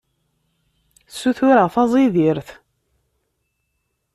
Ssutureɣ taẓidirt.